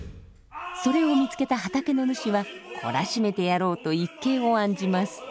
それを見つけた畑の主はこらしめてやろうと一計を案じます。